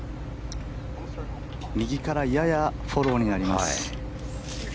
右からややフォローになります。